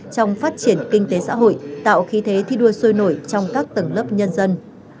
trong phát triển kinh tế xã hội tạo khí thế thi đua sôi nổi trong các tầng lớp nhân dân